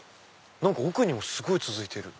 何か奥にもすごい続いてる。